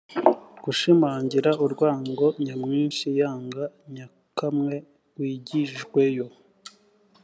gushimangira urwango nyamwinshi yanga nyakamwe wigijweyo